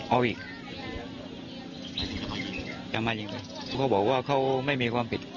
เอาอีกจะมาอีกไหมเขาบอกว่าเขาไม่มีความผิด